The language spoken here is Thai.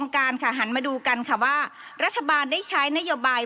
การค่ะหันมาดูกันค่ะว่ารัฐบาลได้ใช้นโยบาย